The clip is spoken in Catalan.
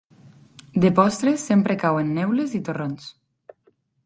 De postres sempre cauen neules i torrons.